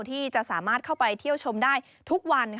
ที่จะสามารถเข้าไปเที่ยวชมได้ทุกวัน